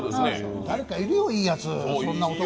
誰かいるよ、いいやつ。